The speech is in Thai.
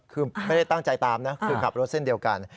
คือไม่ได้ตั้งใจตามนะคือขับรถเส้นเดียวกัน